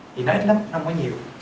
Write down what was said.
thì nó ít lắm nó không có nhiều